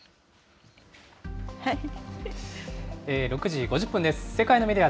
６時５０分です。